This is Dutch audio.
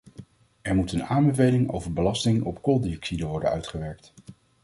Er moet een aanbeveling over belasting op kooldioxide worden uitgewerkt.